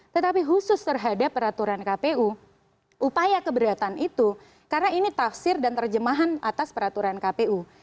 tetapi khusus terhadap peraturan kpu upaya keberatan itu karena ini tafsir dan terjemahan atas peraturan kpu